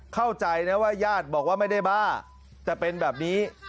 เข้าใจนะว่าญาติบอกว่าไม่ได้บ้าแต่เป็นแบบนี้